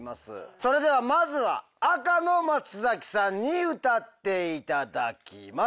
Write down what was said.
それではまずは赤の松崎さんに歌っていただきます。